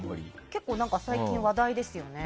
結構、最近話題ですよね。